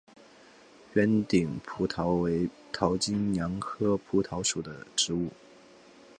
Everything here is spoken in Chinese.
圆顶蒲桃为桃金娘科蒲桃属的植物。